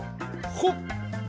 ほっ！